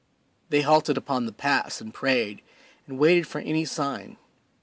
They halted upon the pass and prayed, and waited for any sign.